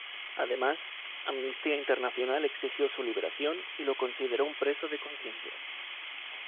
Además, Amnistía Internacional exigió su liberación y lo consideró un preso de conciencia.